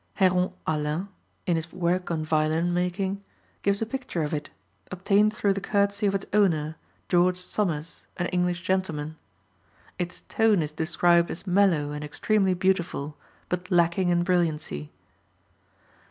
Heron Allen, in his work on violin making, gives a picture of it, obtained through the courtesy of its owner, George Somers, an English gentleman. Its tone is described as mellow and extremely beautiful, but lacking in brilliancy.